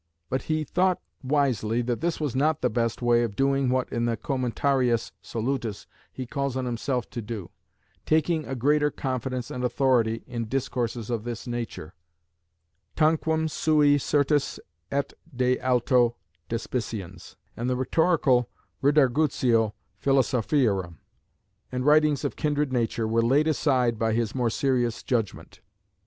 But he thought wisely that this was not the best way of doing what in the Commentarius Solutus he calls on himself to do "taking a greater confidence and authority in discourses of this nature, tanquam sui certus et de alto despiciens;" and the rhetorical Redargutio Philosophiarum and writings of kindred nature were laid aside by his more serious judgment.